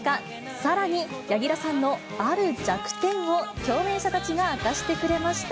さらに柳楽さんのある弱点を共演者たちが明かしてくれました。